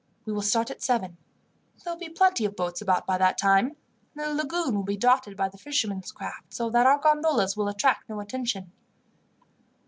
We will start at seven. There will be plenty of boats about by that time, and the lagoon will be dotted by the fishermen's craft, so that our gondolas will attract no attention."